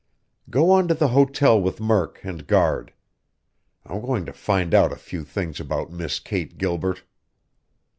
Go on to the hotel with Murk and guard. I'm going to find out a few things about Miss Kate Gilbert!"